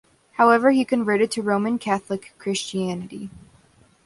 However, he converted to Roman Catholic Christianity.